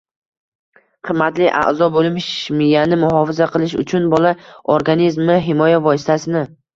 qimmatli a’zo bo‘lmish miyani muhofaza qilish uchun bola organizmi himoya vositasini